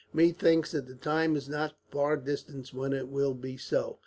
Methinks that the time is not far distant when it will be so.